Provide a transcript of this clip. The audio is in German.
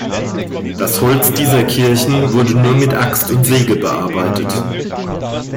Das Holz dieser Kirchen wurde nur mit Axt und Säge bearbeitet.